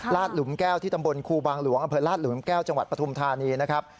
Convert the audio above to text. หลุมแก้วที่ตำบลครูบางหลวงอำเภอราชหลุมแก้วจังหวัดปฐุมธานีนะครับ